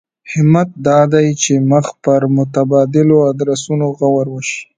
همت دا دی چې مخ پر متبادلو ادرسونو غور وشي.